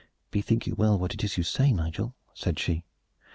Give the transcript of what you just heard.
"Bethink you well what it is that you say, Nigel," said she.